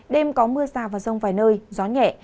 đêm có mưa rào và rông vài nơi gió nhẹ